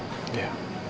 sarapan dulu ya